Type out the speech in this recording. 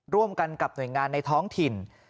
ร่วมกันกับหน่วยงานในท้องถิ่น